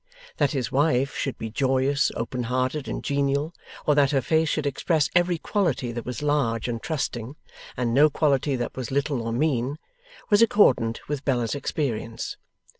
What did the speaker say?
That his wife should be joyous, open hearted, and genial, or that her face should express every quality that was large and trusting, and no quality that was little or mean, was accordant with Bella's experience.